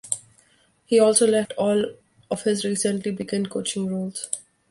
He also left all of his recently begun coaching roles.